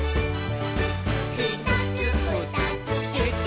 「ひとつふたつえっと」